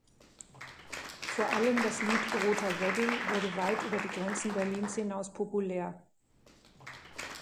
Vor allem das Lied Roter Wedding wurde weit über die Grenzen Berlins hinaus populär.